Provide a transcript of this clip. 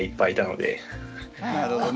なるほどね。